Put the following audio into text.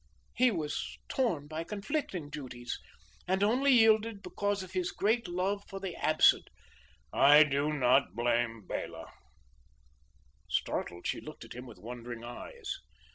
He was torn by conflicting duties, and only yielded because of his great love for the absent." "I do not blame Bela." Startled, she looked at him with wondering eyes.